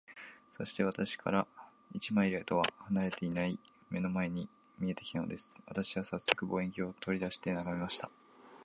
そして、私から一マイルとは離れていない眼の前に見えて来たのです。私はさっそく、望遠鏡を取り出して眺めました。